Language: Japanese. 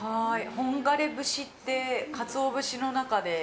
本枯れ節ってカツオ節の中で。